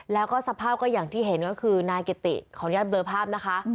แล้วก็สภาพก็อย่างที่เห็นก็คือนายกิติขออนุญาตเบลอภาพนะคะ